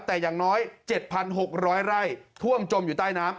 แต่อย่างน้อย๗๖๐๐ไร่ท่วมจมอยู่ใต้น้ำ